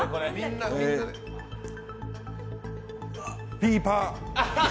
ピーパー。